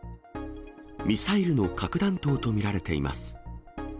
ミサイルの核弾頭と見られています。